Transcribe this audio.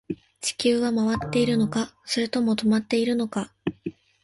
地球は回っているのか、それとも止まっているのか